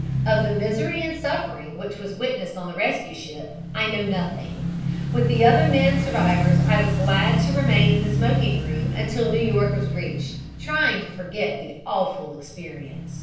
"Of the misery and suffering which was witnessed on the rescue ship I know nothing. With the other men survivors I was glad to remain in the smoking room until New York was reached, trying to forget the awful experience.